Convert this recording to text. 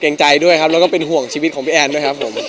ใจด้วยครับแล้วก็เป็นห่วงชีวิตของพี่แอนด้วยครับผม